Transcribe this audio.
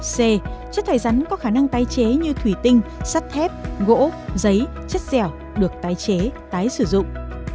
c chất thải rắn có khả năng tái chế như thủy tinh sắt thép gỗ giấy chất dẻo được tái chế tái sử dụng